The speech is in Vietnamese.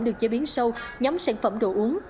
được chế biến sâu nhóm sản phẩm đồ uống